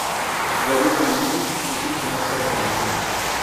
Vers deux heures et demie, Fantine commença à s’agiter.